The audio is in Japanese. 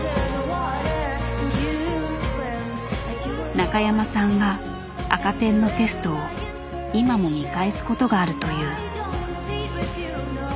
中山さんは赤点のテストを今も見返すことがあるという。